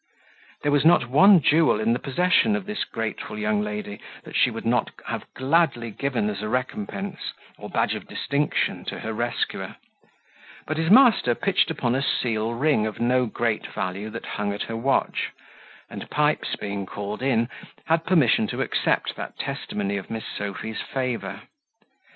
There was not one jewel in the possession of this grateful young lady, that she would not have gladly given as a recompense, or badge of distinction, to her rescuer; but his master pitched upon a seal ring of no great value that hung at her watch, and Pipes, being called in, had permission to accept that testimony of Miss Sophy's favour.